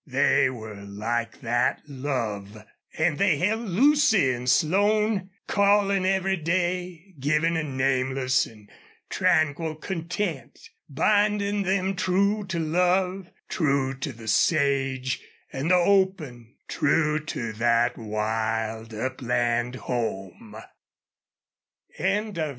They were like that love. And they held Lucy and Slone, calling every day, giving a nameless and tranquil content, binding them true to love, true to the sage and the open, true to that wild upland home.